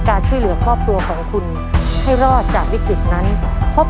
ขอบคุณครับ